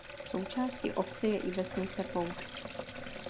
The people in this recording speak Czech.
Součástí obce je i vesnice Poušť.